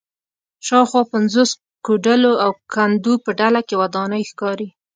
شاوخوا پنځوسو کوډلو او کندو په ډله کې ودانۍ ښکاري